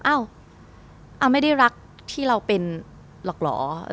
อ้าวไม่ได้รักที่เราเป็นหรอกเหรอ